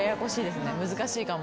難しいかも。